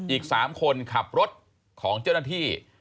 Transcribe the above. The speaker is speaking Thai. อีกสามคนขับรถของเจ้านาธิ